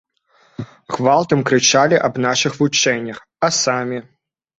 Гвалтам крычалі аб нашых вучэннях, а самі?